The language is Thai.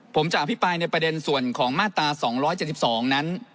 ผมจะอภิปรายในประเด็นส่วนของมาตรา๒๗๒นั้น